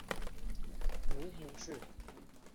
母母氏。